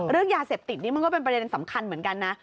เรื่องยาเสพติดนี่มันก็เป็นประเด็นสำคัญเหมือนกันนะ